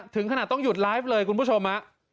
ถึงขนาดต้องหยุดไลฟ์เลยคุณผู้ชม